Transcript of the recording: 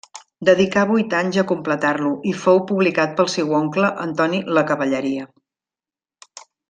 Dedicà vuit anys a completar-lo i fou publicat pel seu oncle Antoni Lacavalleria.